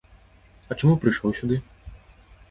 А чаму прыйшоў сюды?